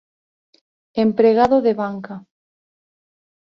Empregado de banca.